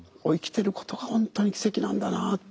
生きてることが本当に奇跡なんだなあ。